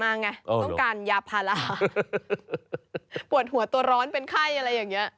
อาจจะตากฝนมาไงต้องการยาพาราปวดหัวตัวร้อนเป็นไข้อะไรอย่างเงี้ย